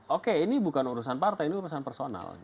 oke ini bukan urusan partai ini urusan personal